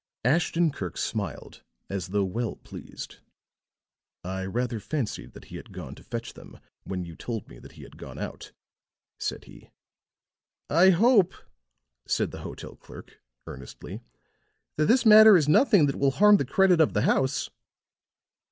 Ashton Kirk smiled as though well pleased. "I rather fancied that he had gone to fetch them when you told me that he had gone out," said he. "I hope," said the hotel clerk, earnestly, "that this matter is nothing that will harm the credit of the house."